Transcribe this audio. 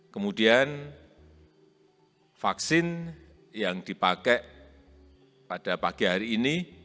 kemudian vaksin yang dipakai pada pagi hari ini